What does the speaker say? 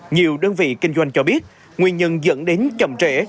nhiều đơn vị kinh doanh cho biết nguyên nhân dẫn đến chậm trễ